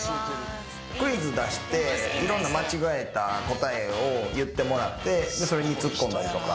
クイズ出していろんな間違えた答えを言ってもらってそれにツッコんだりとか。